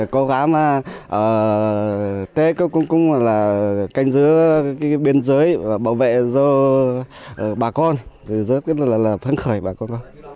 cố gắng tết cũng là canh giữ biên giới và bảo vệ bà con rất là phấn khởi bà con